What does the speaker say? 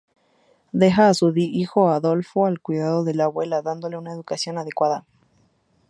Deja a su hijo Adolfo al cuidado de la abuela, dándole una educación adecuada.